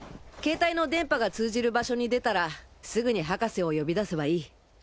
携帯の電波が通じる場所に出たらすぐに博士を呼び出せばいい。